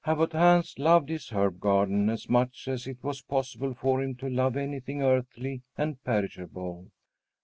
Abbot Hans loved his herb garden as much as it was possible for him to love anything earthly and perishable.